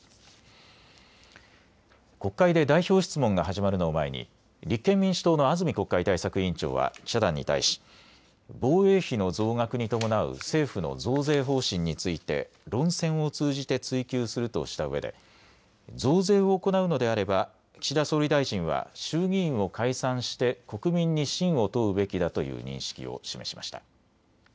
国会で代表質問が始まるのを前に立憲民主党の安住国会対策委員長は記者団に対し防衛費の増額に伴う政府の増税方針について論戦を通じて追及するとしたうえで増税を行うのであれば岸田総理大臣は衆議院を解散して国民に信を問うべきだという認識を示しました。